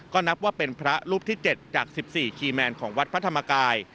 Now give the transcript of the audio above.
ก็นับว่าเป็นพระรูปที่๗จาก๑๔คีย์แมนของวัดพระธรรมกาย